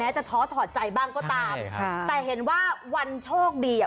จะท้อถอดใจบ้างก็ตามแต่เห็นว่าวันโชคดีอ่ะ